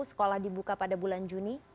sekolah dibuka pada bulan juni